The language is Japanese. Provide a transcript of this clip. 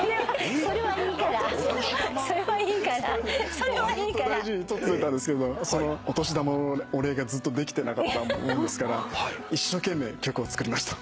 ずーっと大事に取っといたんですけどお年玉のお礼がずっとできてなかったもんですから一生懸命曲を作りました。